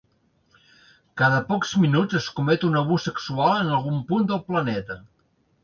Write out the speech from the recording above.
Cada pocs minuts es comet un abús sexual en algun punt del planeta!